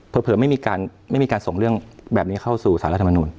เผื่อไม่มีการส่งเรื่องแบบนี้เข้าสู่สารรัฐมนุม